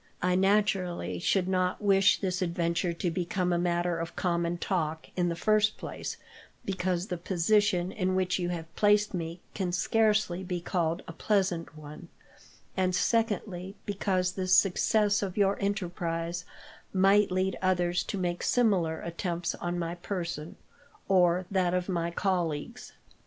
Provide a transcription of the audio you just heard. I naturally should not wish this adventure to become a matter of common talk: in the first place, because the position in which you have placed me can scarcely be called a pleasant one; and secondly, because the success of your enterprise might lead others to make similar attempts on my person, or that of my colleagues.